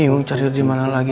bingung cari dimana lagi